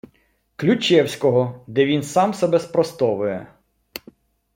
Ключевського, де він сам себе спростовує